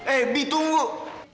eh bi tunggu